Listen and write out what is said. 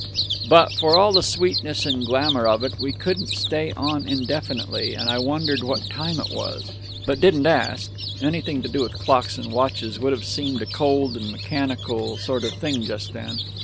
"But for all the sweetness and the glamour of it, we couldn't stay on indefinitely, and I wondered what time it was, but didn't ask anything to do with clocks and watches would have seemed a cold and mechanical sort of thing just then....